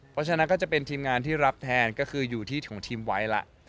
เพราะฉะนั้นก็จะเป็นทีมงานที่รับแทนก็คืออยู่ที่ของทีมไว้ล่ะ